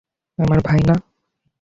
আমার ভাই না?